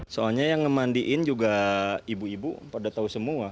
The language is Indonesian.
soalnya yang ngemandiin juga ibu ibu pada tahu semua